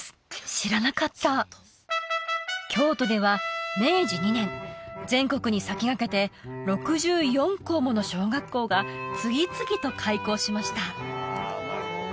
知らなかった京都では明治２年全国に先駆けて６４校もの小学校が次々と開校しました